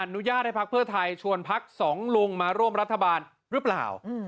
อนุญาตให้พักเพื่อไทยชวนพักสองลุงมาร่วมรัฐบาลหรือเปล่า